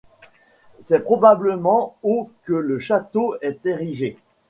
C'est probablement au que le château est érigé.